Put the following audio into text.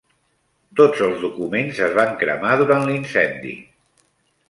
Tots els documents es van cremar durant l'incendi.